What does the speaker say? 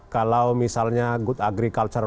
kalau misalnya good agriculture